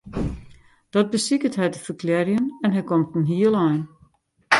Dat besiket hy te ferklearjen en hy komt in heel ein.